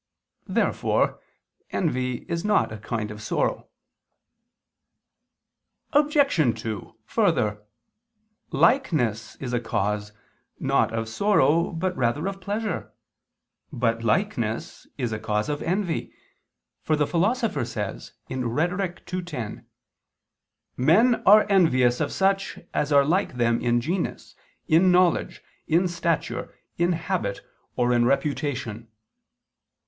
Therefore envy is not a kind of sorrow. Obj. 2: Further, likeness is a cause, not of sorrow but rather of pleasure. But likeness is a cause of envy: for the Philosopher says (Rhet. ii, 10): "Men are envious of such as are like them in genus, in knowledge, in stature, in habit, or in reputation."